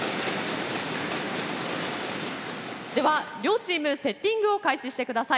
では両チームセッティングを開始して下さい。